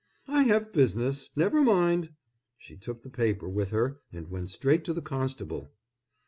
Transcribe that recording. "I have business; never mind!" She took the paper with her and went straight to the constable.